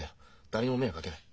誰にも迷惑かけない。